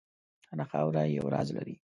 هره خاوره یو راز لري.